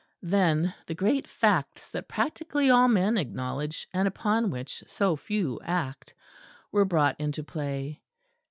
Then the great facts that practically all men acknowledge, and upon which so few act, were brought into play.